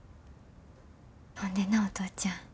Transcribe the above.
ほんでなお父ちゃん。